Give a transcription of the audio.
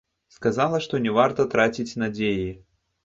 Сказала, што не варта траціць надзеі.